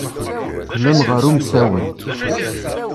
Qqlen ɣer umsawen.